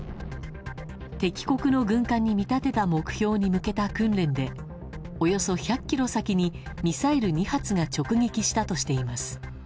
敵国の軍艦に見立てた目標に向けた訓練でおよそ１００ｋｍ先にミサイル２発が直撃したとしています。